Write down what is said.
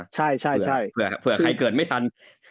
ใช่เผื่อใครเกิดไม่ทัน